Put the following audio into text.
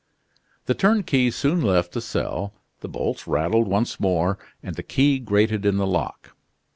The turnkey soon left the cell; the bolts rattled once more, and the key grated in the lock.